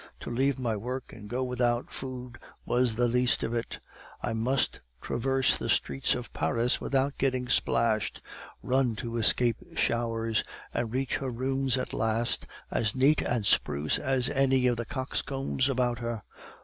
To leave my work and go without food was the least of it! I must traverse the streets of Paris without getting splashed, run to escape showers, and reach her rooms at last, as neat and spruce as any of the coxcombs about her.